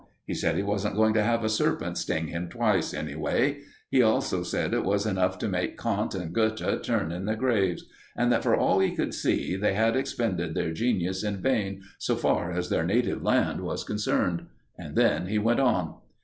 He said he wasn't going to have a serpent sting him twice, anyway. He also said it was enough to make Kant and Goethe turn in their graves; and, that for all he could see, they had expended their genius in vain, so far as their native land was concerned. And then he went on.